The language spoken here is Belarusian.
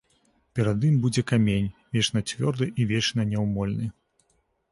Перад ім будзе камень, вечна цвёрды і вечна няўмольны!